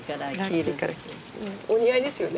お似合いですよね。